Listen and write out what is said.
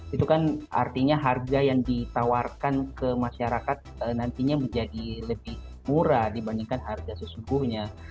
itu kan artinya harga yang ditawarkan ke masyarakat nantinya menjadi lebih murah dibandingkan harga sesungguhnya